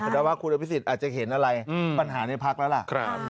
เพราะว่าครูนวิสิตอาจจะเห็นอะไรปัญหาในพักแล้วล่ะ